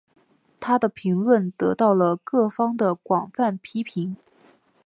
她的评论得到了各方的广泛批评。